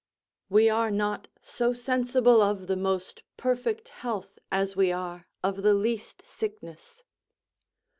_ We are not so sensible of the most perfect health as we are of the least sickness.